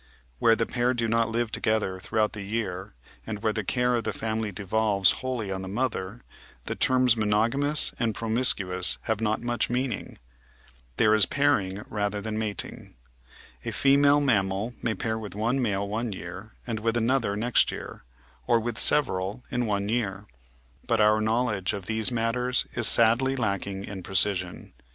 Where the pair do not live together throughout the year, and where the care of the family devolves wholly on the mother, the terms monogamous and promiscuous have not much meaning. There is pairing rather than mating. A female mammal may pair with one male one year and with another next year, or with several in one year. But our knowledge of these matters is sadly lacking in precision.